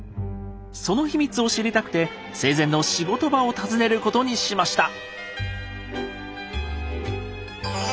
その秘密を知りたくて生前の仕事場を訪ねることにしました。